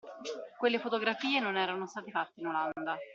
Quelle fotografie non erano state fatte in Olanda